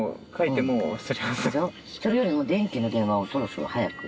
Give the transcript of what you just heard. それよりも電気の電話をそろそろ早く。